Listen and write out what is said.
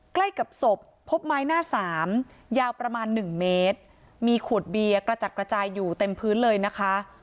ใกล้กับศพพบไม้หน้าสามยาวประมาณหนึ่งเมตรมีขวดเบียร์กระจัดกระจายอยู่เต็มพื้นเลยนะคะ